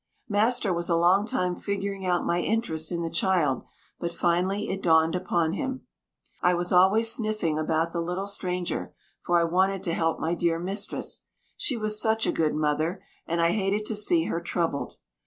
Master was a long time figuring out my interest in the child, but finally it dawned upon him. I was always sniffing about the little stranger, for I wanted to help my dear mistress. She was such a good mother, and I hated to see her troubled.